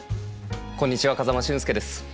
こんにちは風間俊介です。